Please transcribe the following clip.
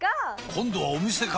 今度はお店か！